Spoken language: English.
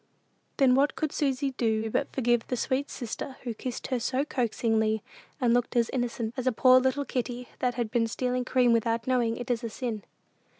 Then what could Susy do but forgive the sweet sister, who kissed her so coaxingly, and looked as innocent as a poor little kitty that has been stealing cream without knowing it is a sin?